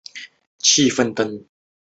他是第十一任登丹人酋长。